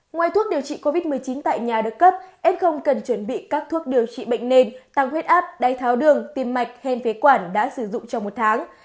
ngoài thuốc điều trị covid một mươi chín tại nhà được cấp s cần chuẩn bị các thuốc điều trị bệnh nền tăng huyết áp đáy tháo đường tim mạch hen phế quản đã sử dụng trong một tháng